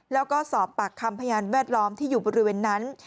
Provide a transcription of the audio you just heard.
แล้วก็สอบปากคำพยานแวดล้อมที่อยู่บริเวณนั้น